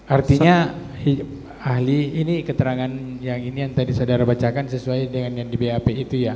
artinya ahli ini keterangan yang ini yang tadi saudara bacakan sesuai dengan yang di bap itu ya